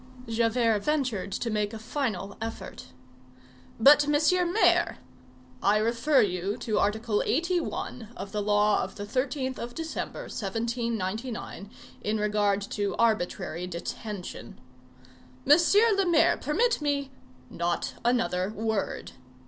Javert ventured to make a final effort. "But, Mr. Mayor—" "I refer you to article eighty one of the law of the 13th of December, 1799, in regard to arbitrary detention." "Monsieur le Maire, permit me—" "Not another word."